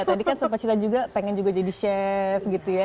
nah ini juga sama seperti cita juga pengen juga jadi chef gitu ya